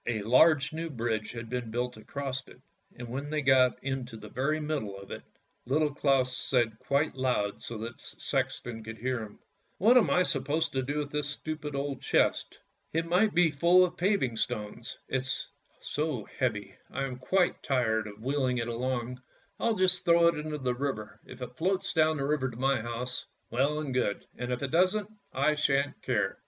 A large new bridge had been built across it, and when they got into the very middle of it, Little Claus said quite loud, so that the sexton could hear him —" What am I to do with this stupid old chest? it might be ISO ANDERSEN'S FAIRY TALES full of paving stones, it's so heavy ! I am quite tired of wheeling it along; I'll just throw it into the river; if it floats down the river to my house, well and good, and if it doesn't, I shan't care."